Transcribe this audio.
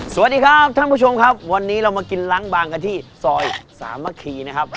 สวัสดีครับท่านผู้ชมครับวันนี้เรามากินล้างบางกันที่ซอยสามัคคีนะครับ